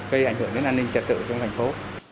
gây ảnh hưởng đến an ninh trật tự trong thành phố